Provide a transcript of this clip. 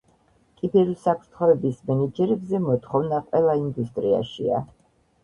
კიბერუსაფრთხოების მენეჯერებზე მოთხოვნა ყველა ინდუსტრიაშია.